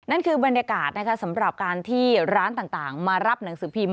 นั่นคือบรรยากาศสำหรับการที่ร้านต่างมารับหนังสือพิมพ์